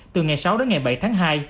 từ ngày sáu đến ngày bảy tháng hai